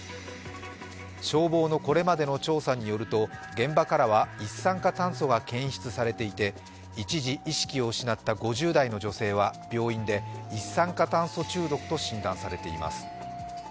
消防のこれまでの調査によると現場からは一酸化炭素が検出されていて一時意識を失った５０代の女性は病院で一酸化炭素中毒と診断されています。